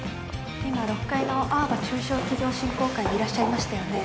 今６階のあおば中小企業振興会にいらっしゃいましたよね？